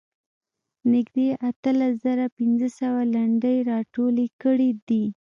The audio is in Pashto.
نږدې اتلس زره پنځه سوه لنډۍ راټولې کړې دي.